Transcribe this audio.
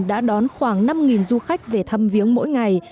đã đón khoảng năm du khách về thăm viếng mỗi ngày